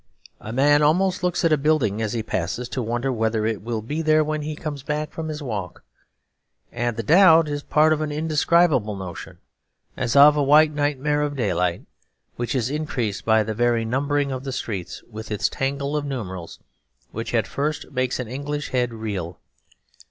A man almost looks at a building as he passes to wonder whether it will be there when he comes back from his walk; and the doubt is part of an indescribable notion, as of a white nightmare of daylight, which is increased by the very numbering of the streets, with its tangle of numerals which at first makes an English head reel.